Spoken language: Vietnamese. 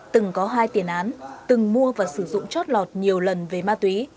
từng có hai tiền án từng mua và sử dụng chót lọt nhiều lần về ma túy